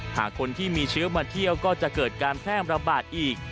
หากคนที่มีเชื้อมาเที่ยวก็จะเกิดการแพร่ระบาดอีก